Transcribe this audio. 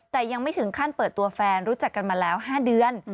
แต่ยังไม่ถึงขั้นเปิดตัวแฟนรู้จักกันมาแล้ว๕เดือน